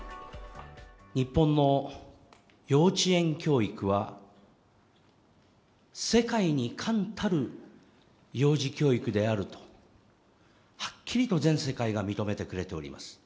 日本の幼稚園教育は世界に冠たる幼児教育であるとはっきりと全世界が認めてくれております。